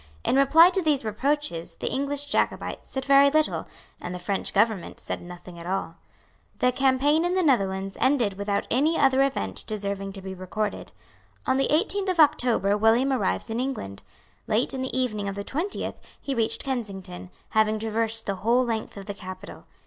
In reply to these reproaches the English Jacobites said very little; and the French government said nothing at all. The campaign in the Netherlands ended without any other event deserving to be recorded. On the eighteenth of October William arrived in England. Late in the evening of the twentieth he reached Kensington, having traversed the whole length of the capital.